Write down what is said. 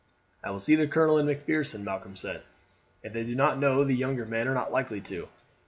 "I will see the colonel and Macpherson," Malcolm said; "if they do not know, the younger men are not likely to.